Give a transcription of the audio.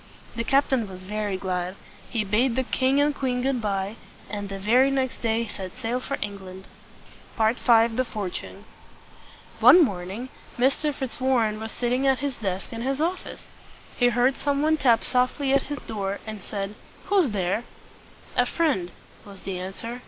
The captain was very glad. He bade the king and queen good by, and the very next day set sail for England. V. THE FORTUNE. One morning Mr. Fitzwarren was sitting at his desk in his office. He heard some one tap softly at his door, and he said, "Who's there?" "A friend," was the answer.